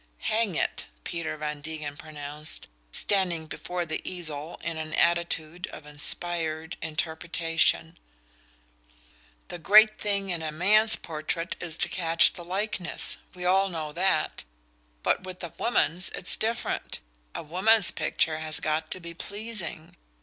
"Hang it," Peter Van Degen pronounced, standing before the easel in an attitude of inspired interpretation, "the great thing in a man's portrait is to catch the likeness we all know that; but with a woman's it's different a woman's picture has got to be pleasing.